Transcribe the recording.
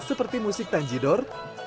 seperti musik tanjidor